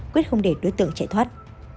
quyết không để đối tượng chạy thoát